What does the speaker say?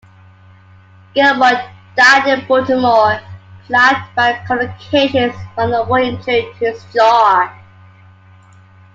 Gilmor died in Baltimore, plagued by complications from a war injury to his jaw.